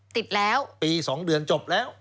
ติดแล้วปี๒เดือนจบแล้ว